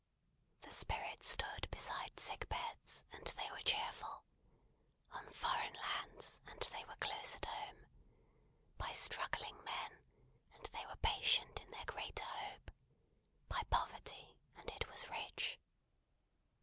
The Spirit stood beside sick beds, and they were cheerful; on foreign lands, and they were close at home; by struggling men, and they were patient in their greater hope; by poverty, and it was rich.